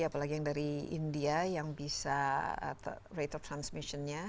apalagi yang dari india yang bisa rate of transmission nya